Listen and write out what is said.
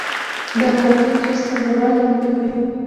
د مالټې جوس تازه والی ورکوي.